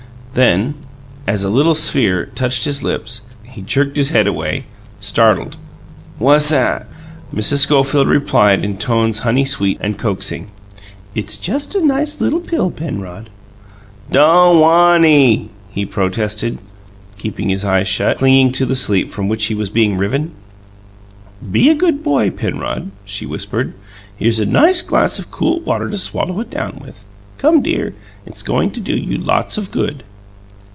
Then, as a little sphere touched his lips, he jerked his head away, startled. "Whassat?" Mrs. Schofield replied in tones honeysweet and coaxing: "It's just a nice little pill, Penrod." "Doe waw 'ny!" he protested, keeping his eyes shut, clinging to the sleep from which he was being riven. "Be a good boy, Penrod," she whispered. "Here's a glass of nice cool water to swallow it down with. Come, dear; it's going to do you lots of good."